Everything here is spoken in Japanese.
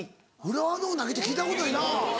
浦和のウナギって聞いたことないな。